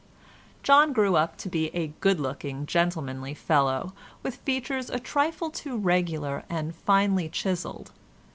John grew up to be a good looking, gentlemanly fellow, with features a trifle too regular and finely chiselled.